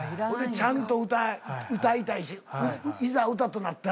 ちゃんと歌いたいしいざ歌となったら。